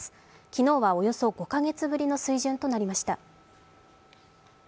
昨日はおよそ５カ月ぶりの水準となりました。